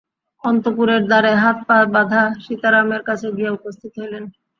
অন্তঃপুরের দ্বারে হাতপা-বাঁধা সীতারামের কাছে গিয়া উপস্থিত হইলেন।